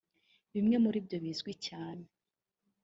Bimwe muri byo bizwi cyane